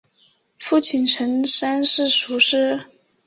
父亲陈彬是塾师。